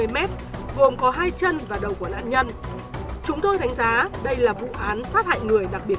một mươi mét gồm có hai chân và đầu của nạn nhân chúng tôi đánh giá đây là vụ án sát hại người đặc biệt